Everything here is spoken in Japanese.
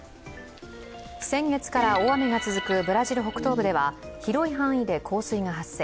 先月から大雨が続くブラジル北東部では広い範囲で洪水が発生。